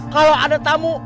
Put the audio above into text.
kalau ada tamu